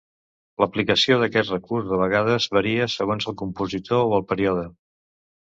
L'aplicació d'aquest recurs de vegades varia segons el compositor o el període.